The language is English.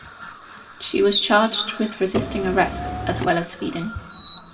She was charged with resisting arrest as well as speeding.